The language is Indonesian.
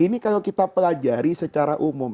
ini kalau kita pelajari secara umum